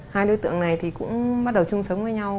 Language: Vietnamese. hai đối tượng này thì cũng bắt đầu chung sống với nhau